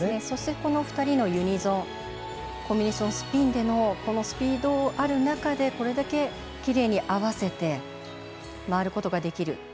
そしてこの２人のユニゾンコンビネーションスピンのスピードがある中でこれだけ、きれいに合わせて回ることができる。